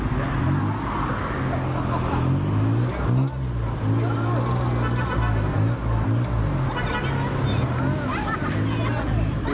โอ้ลักษณะท่าทางมันก็คล้าย